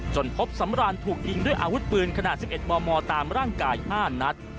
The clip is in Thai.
พบสำรานถูกยิงด้วยอาวุธปืนขนาด๑๑มมตามร่างกาย๕นัด